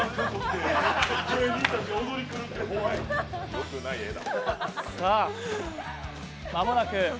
良くない絵だ。